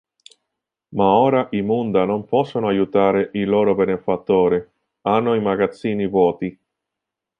Ma ora i Munda non possono aiutare il loro benefattore; hanno i magazzini vuoti.